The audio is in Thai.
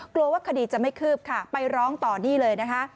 กลัวว่าคดีจะไม่คืบค่ะไปร้องต่อนี่เลยนะคะ